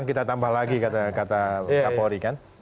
kita tambah lagi kata kapolri kan